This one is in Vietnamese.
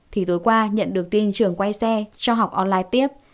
thì tối qua nhận được tin trường quay xe cho học online tiếp